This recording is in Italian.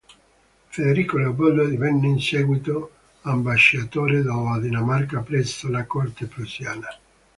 Federico Leopoldo divenne in seguito ambasciatore della Danimarca presso la corte prussiana.